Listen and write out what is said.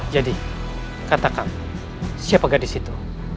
jadi katakan siapa gadis itu